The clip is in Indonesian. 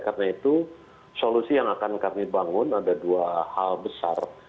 karena itu solusi yang akan kami bangun ada dua hal besar